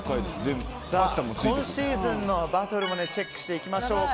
今シーズンのバトルもチェックしていきましょう。